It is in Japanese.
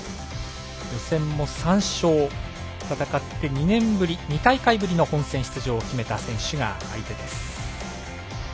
予選も３勝戦って２年ぶり２大会ぶりの本戦出場を決めた選手が相手です。